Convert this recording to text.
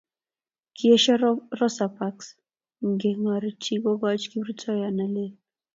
kieiso Rosa Parks ng'echerenyin kokochi kiprutoyot neleel